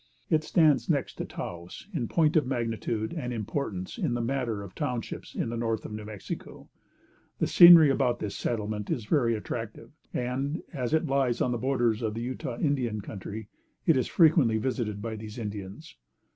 It stands next to Taos in point of magnitude and importance in the matter of townships in the north of New Mexico. The scenery about this settlement is very attractive, and, as it lies on the borders of the Utah Indian country, it is frequently visited by these Indians.